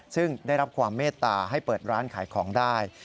ซึ่งได้รับความเมตตาให้เปิดร้านขายของได้